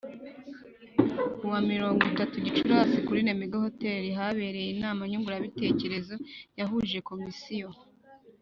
Ku wa mirongo itatu Gicurasi kuri Lemigo Hotel habereye inama nyunguranabitekerezo yahuje Komisiyo